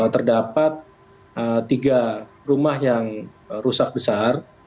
terdapat tiga rumah yang rusak besar